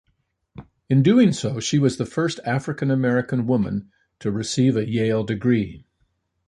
In doing so, she was the first African-American woman to receive a Yale degree.